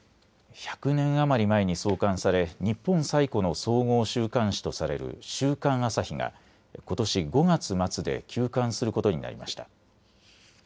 １００年余り前に創刊され日本最古の総合週刊誌とされる週刊朝日がことし５月末で休刊することになりました。